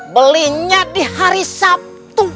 belinya di hari sabtu